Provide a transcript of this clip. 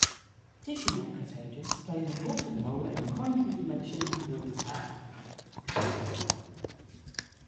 Tissue macrophages play an important role in chronic inflammation and wound repair.